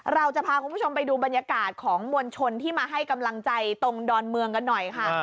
เราจะพาคุณผู้ชมไปดูบรรยากาศของมวลชนที่มาให้กำลังใจตรงดอนเมืองกันหน่อยค่ะ